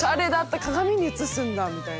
鏡に映すんだみたいな。